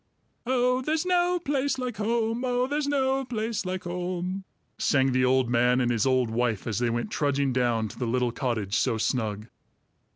"Oh, there's no place like home! Oh, there's no place like home!" sang the old man and his old wife, as they went trudging down to the little cottage so snug.